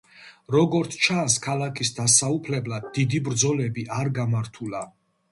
როგორც ჩანს, ქალაქის დასაუფლებლად დიდი ბრძოლები არ გამართულა.